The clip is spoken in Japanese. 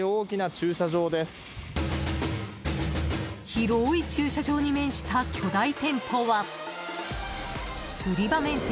広ーい駐車場に面した巨大店舗は売り場面積